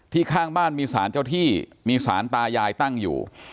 ข้างบ้านมีสารเจ้าที่มีสารตายายตั้งอยู่